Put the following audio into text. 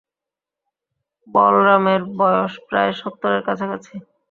বলরামের বয়স প্রায় সত্তরের কাছাকাছি।